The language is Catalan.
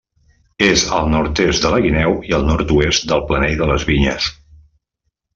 És al nord-est de la Guineu i al nord-oest del Planell de les Vinyes.